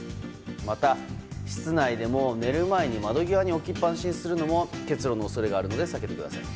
また、室内でも寝る前に窓際に置きっぱなしにすると結露の恐れがあるので避けてください。